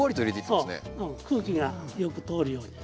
そう空気がよく通るように。